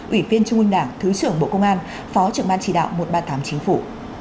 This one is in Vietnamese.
ủy viên trung ương đảng thứ trưởng bộ công an phó trưởng ban chỉ đạo một trăm ba mươi tám chính phủ